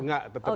nggak tetap aja